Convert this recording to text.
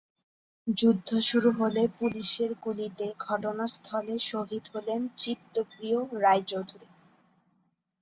যুদ্ধ শুরু হলে পুলিশের গুলিতে ঘটনাস্থলে শহীদ হলেন চিত্তপ্রিয় রায়চৌধুরী।